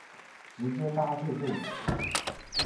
直接搭就对了